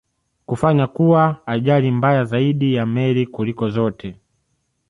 kufanya kuwa ajali mbaya zaidi ya meli kuliko zote